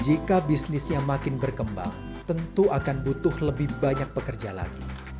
jika bisnisnya makin berkembang tentu akan butuh lebih banyak pekerja lagi